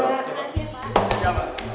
lo yang fokus lo ya